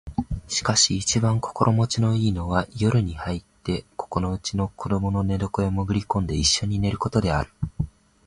しかし一番心持ちの好いのは夜に入ってここのうちの子供の寝床へもぐり込んで一緒に寝る事である